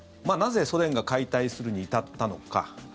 なぜ、ソ連が解体するに至ったのか。